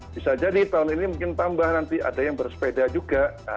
bisa jadi tahun ini mungkin tambah nanti ada yang bersepeda juga